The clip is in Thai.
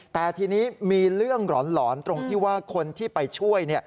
แต่ทีนี้มีเรื่องหลอนตรงที่ว่าคนที่ไปช่วย